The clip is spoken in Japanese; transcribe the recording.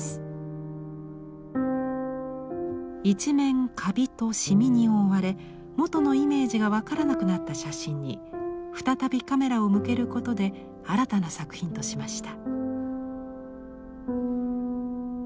一面カビと染みに覆われもとのイメージが分からなくなった写真に再びカメラを向けることで新たな作品としました。